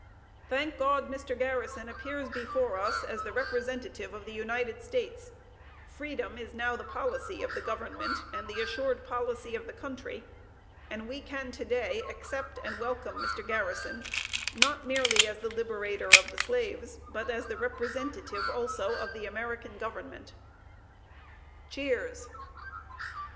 Thank God, Mr. Garrison appears before us as the representative of the United States; freedom is now the policy of the government and the assured policy of the country, and we can to day accept and welcome Mr. Garrison, not merely as the liberator of the slaves, but as the representative also of the American Government. (Cheers.)